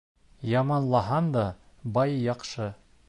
Яманлаһаң да бай яҡшы.